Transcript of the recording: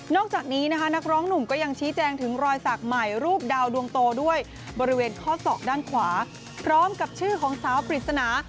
จากนี้นะคะนักร้องหนุ่มก็ยังชี้แจงถึงรอยสักใหม่รูปดาวดวงโตด้วยบริเวณข้อศอกด้านขวาพร้อมกับชื่อของสาวปริศนา